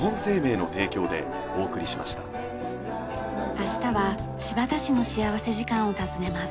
明日は新発田市の幸福時間を訪ねます。